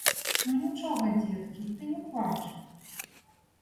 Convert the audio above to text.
Ну, нічога, дзеткі, ты не плач.